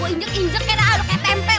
gua injek injek kaya pempek